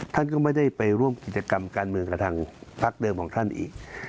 ท่านก็ไม่ได้ไปร่วมกิจกรรมการเมืองกับทางพักเดิมของท่านอีก